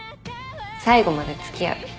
最後まで付き合う。